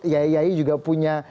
yai yai juga punya